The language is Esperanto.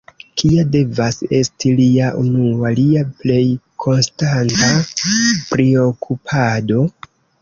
Kia devas esti lia unua, lia plej konstanta priokupado?